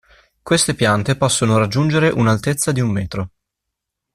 Queste piante possono raggiungere una altezza di un metro.